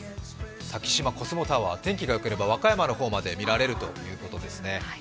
咲洲コスモタワー、天気がよければ和歌山の方まで見られるということですね。